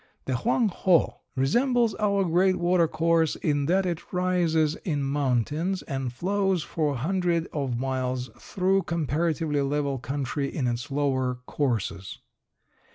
The Hoang Ho resembles our great water course in that it rises in mountains and flows for hundreds of miles through comparatively level country in its lower courses.